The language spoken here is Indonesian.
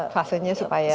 fasenya supaya berluncung